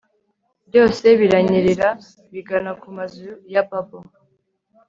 byose biranyerera bigana kumazu ya bauble